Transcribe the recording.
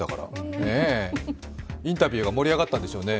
インタビューが盛り上がったでしょうね。